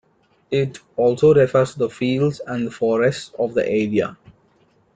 It also refers to the fields and forests of the area.